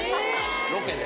ロケで？